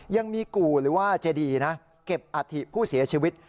ยังมีกู่หรือว่าเจดีนะเก็บอัฐิผู้เสียชีวิต